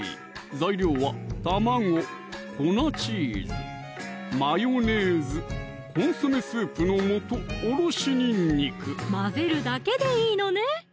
材料は卵・粉チーズ・マヨネーズ・コンソメスープの素・おろしにんにく混ぜるだけでいいのね！